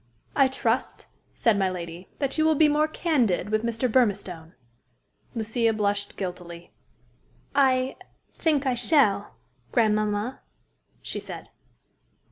"I trust," said my lady, "that you will be more candid with Mr. Burmistone." Lucia blushed guiltily. "I think I shall, grandmamma," she said.